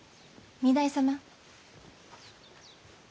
・御台様。